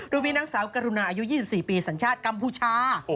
โดยมีนางสาวกรุณาอายุ๒๔ปีสัญชาติกัมพูชา